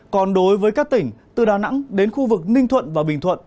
còn đối với các tỉnh từ đà nẵng đến khu vực ninh thuận và bình thuận